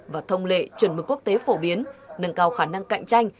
và thông lệ chuẩn mức quốc tế phổ biến nâng cao khả năng cạnh tranh